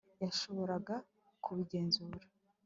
yashoboraga kubigenzura